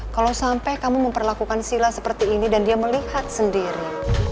kalau sampai kamu memperlakukan sila seperti ini dan dia melihat sendiri